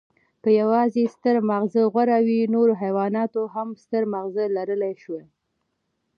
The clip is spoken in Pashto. که یواځې ستر مغز غوره وی، نورو حیواناتو هم ستر مغز لرلی شوی.